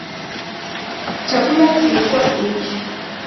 Chakula kilikuwa kibichi